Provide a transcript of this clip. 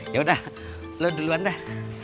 yaudah lo duluan deh